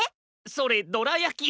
それどらやき。